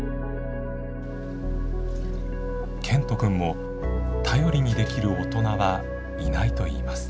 健人くんも頼りにできる大人はいないと言います。